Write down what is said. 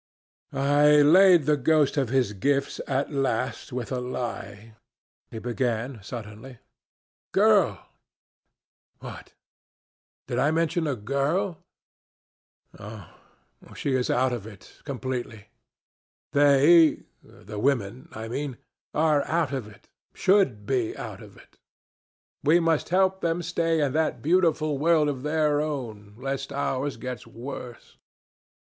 "I laid the ghost of his gifts at last with a lie," he began suddenly. "Girl! What? Did I mention a girl? Oh, she is out of it completely. They the women, I mean are out of it should be out of it. We must help them to stay in that beautiful world of their own, lest ours gets worse.